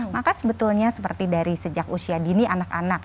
maka sebetulnya seperti dari sejak usia dini anak anak